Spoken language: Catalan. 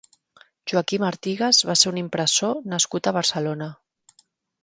Joaquim Artigas va ser un impressor nascut a Barcelona.